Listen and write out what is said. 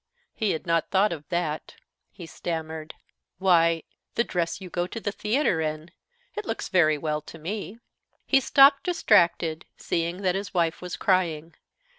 He had not thought of that; he stammered: "Why, the dress you go to the theater in. It looks very well, to me." He stopped, distracted, seeing that his wife was crying.